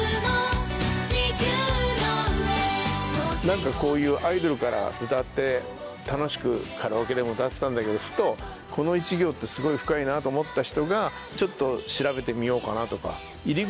何かこういうアイドルから歌って楽しくカラオケでも歌ってたんだけどふと。と思った人がちょっと調べてみようかなとか。